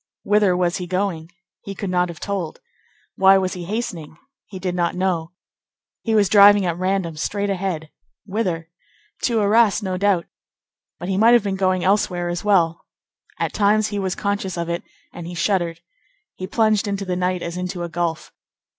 Whither was he going? He could not have told. Why was he hastening? He did not know. He was driving at random, straight ahead. Whither? To Arras, no doubt; but he might have been going elsewhere as well. At times he was conscious of it, and he shuddered. He plunged into the night as into a gulf.